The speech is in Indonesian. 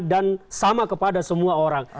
dan sama kepada semua orang